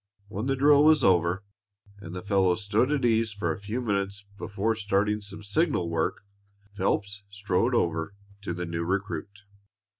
When the drill was over and the fellows stood at ease for a few minutes before starting some signal work, Phelps strode over to the new recruit.